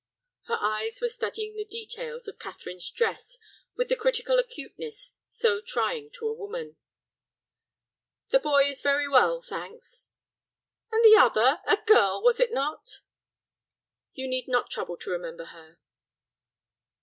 Her eyes were studying the details of Catherine's dress with the critical acuteness so trying to a woman. "The boy is very well, thanks." "And the other—a girl, was it not?" "You need not trouble to remember her."